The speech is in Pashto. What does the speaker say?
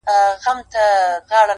هلته د ژوند تر آخري سرحده،